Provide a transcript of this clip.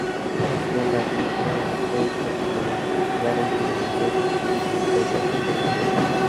মেলা শুরুর সময় থেকেই খ্যাতনামা ব্র্যান্ডগুলো বিশেষ কিছু সুবিধা ক্রেতাদের দেবে।